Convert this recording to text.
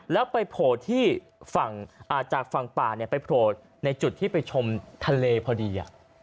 แล้วไปโผล่ที่จากฝั่งป่าไปโผล่ในจุดที่ไปชมทะเลพอดี